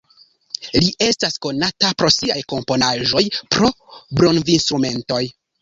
Li estas konata pro siaj komponaĵoj por blovinstrumentoj.